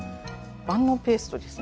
万能ペーストですね。